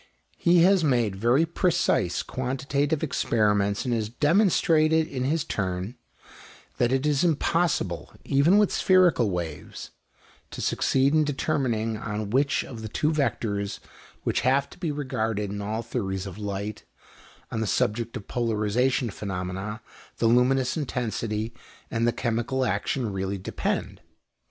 He has made very precise quantitative experiments, and has demonstrated, in his turn, that it is impossible, even with spherical waves, to succeed in determining on which of the two vectors which have to be regarded in all theories of light on the subject of polarization phenomena the luminous intensity and the chemical action really depend.